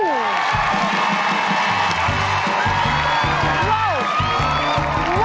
ว้าวว้าวว้าว